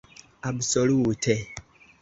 "Absolute."